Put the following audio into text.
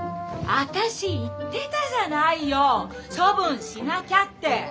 私言ってたじゃないよ処分しなきゃって。